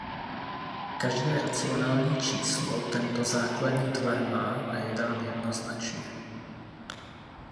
Každé racionální číslo tento základní tvar má a je dán jednoznačně.